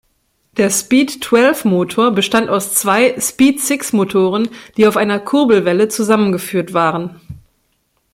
Der "Speed Twelve"-Motor bestand aus zwei "Speed Six"-Motoren, die auf einer Kurbelwelle zusammengeführt waren.